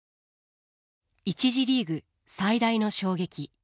一次リーグ最大の衝撃。